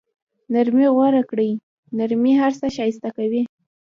نرمي غوره کړه، نرمي هر څه ښایسته کوي.